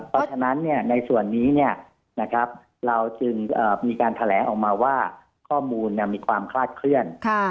เพราะฉะนั้นในส่วนนี้เราจึงมีการแถลงออกมาว่าข้อมูลมีความคลาดเคลื่อน